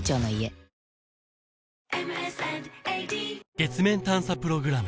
月面探査プログラム